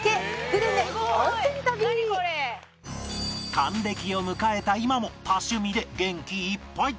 還暦を迎えた今も多趣味で元気いっぱい